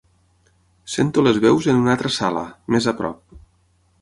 Sento les veus en una altra sala, més a prop.